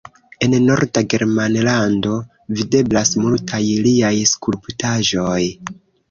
En Norda Germanlando videblas multaj liaj skulptaĵoj.